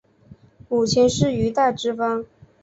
母亲是于大之方。